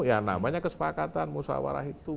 ya namanya kesepakatan musawarah itu